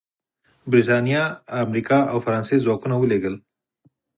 برېټانیا، امریکا او فرانسې ځواکونه ولېږل.